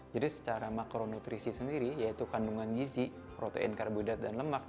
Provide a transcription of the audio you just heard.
jadi secara makronutrisi sendiri yaitu kandungan gizi protein karbohidrat dan lemak